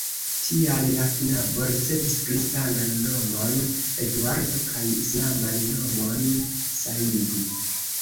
Tial la knabo ricevis kristanan nomon (Eduardo) kaj islaman nomon (Saidi).